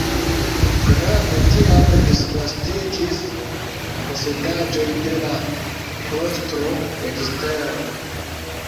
Grave tiam disvastiĝis posedaĵoj de la klostro ekstere.